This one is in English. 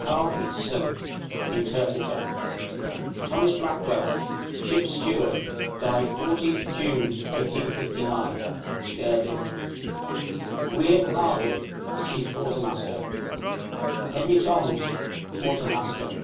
CARL PETERSEN, Interpreter. THOMAS BLACKWELL, Ship's Steward, died 14th June, 1859, (Scurvy). WM. HARVEY, Chief Quartermaster. HENRY TOMS, Quartermaster.